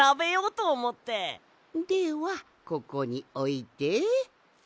ではここにおいて。